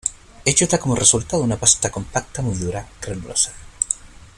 Ello da como resultado una pasta compacta, muy dura, granulosa.